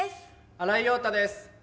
新井庸太です。